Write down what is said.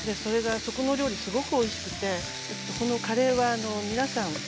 そこのお料理、すごくおいしくてそのカレーは皆さん